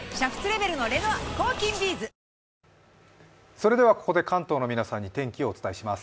それではここで関東の皆さんに天気をお伝えします。